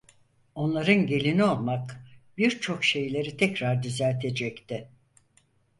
Onların gelini olmak, birçok şeyleri tekrar düzeltecekti.